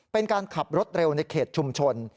เป็นการขับรถเร็วในเขตชุมชน